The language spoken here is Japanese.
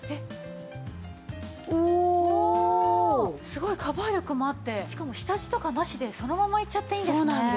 すごいカバー力もあってしかも下地とかなしでそのままいっちゃっていいんですね。